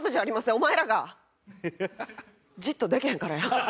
お前らがじっとできへんからや。